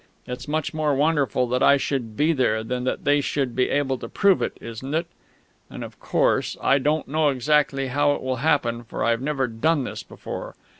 It's much more wonderful that I should be there than that they should be able to prove it, isn't it?... And, of course, I don't know exactly how it will happen, for I've never done this before....